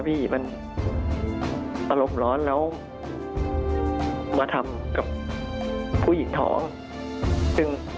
พี่มันอารมณ์ร้อนแล้วมาทำกับผู้หญิงท้องซึ่ง